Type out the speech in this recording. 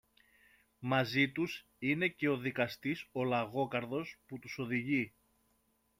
Μαζί τους είναι και ο δικαστής ο Λαγόκαρδος που τους οδηγεί